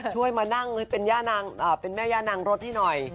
ช่วยมานั่งให้เป็นแม่ย่านางรถให้หน่อย